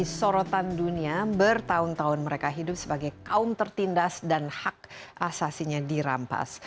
jadi sorotan dunia bertahun tahun mereka hidup sebagai kaum tertindas dan hak asasinya dirampas